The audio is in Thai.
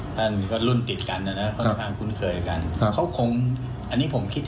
แต่ถ้าคุณอยากเป็นญาติก็ได้